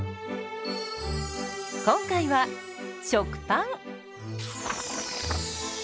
今回は食パン。